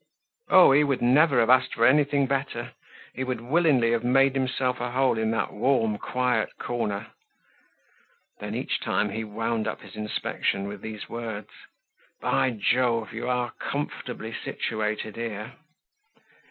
Oh, he would never have asked for anything better, he would willingly have made himself a hole in that warm, quiet corner. Then each time he wound up his inspection with these words: "By Jove! you are comfortably situated here."